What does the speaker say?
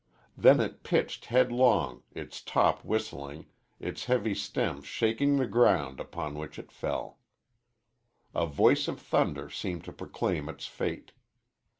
Then it pitched headlong, its top whistling, its heavy stem shaking the ground upon which it fell. A voice of thunder seemed to proclaim its fate.